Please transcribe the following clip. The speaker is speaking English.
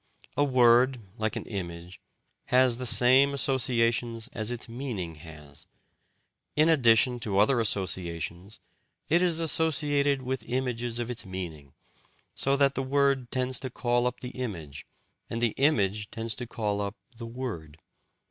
A word, like an image, has the same associations as its meaning has. In addition to other associations, it is associated with images of its meaning, so that the word tends to call up the image and the image tends to call up the word.